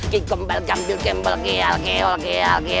kikombel gambil kembel